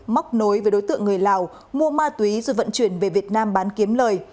móc nối với đối tượng người lào mua ma túy rồi vận chuyển về việt nam bán kiếm lời